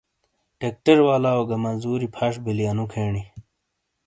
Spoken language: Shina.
ٹریکٹر والاؤ گہ مَزُوری فَش بِیلی انو کھینی۔